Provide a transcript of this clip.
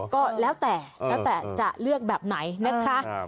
ก็แล้วแต่แล้วแต่จะเลือกแบบไหนนะคะ